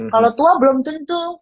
kalo tua belum tentu